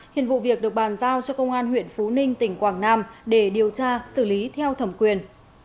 hiện vụ việc được bàn giao cho công an huyện phú ninh tỉnh quảng nam để điều tra xử lý theo thẩm quyền